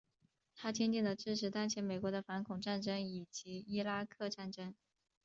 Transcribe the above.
他坚定的支持当前美国的反恐战争以及伊拉克战争。